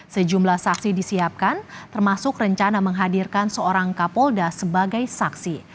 sejumlah saksi disiapkan termasuk rencana menghadirkan seorang kapolda sebagai saksi